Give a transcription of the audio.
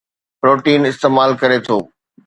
protein استعمال ڪري ٿو